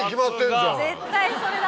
絶対それだ！